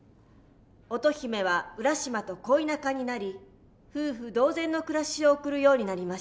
乙姫は浦島と恋仲になり夫婦同然の暮らしを送るようになりました。